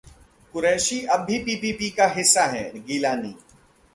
कुरैशी अब भी पीपीपी का हिस्सा हैं: गिलानी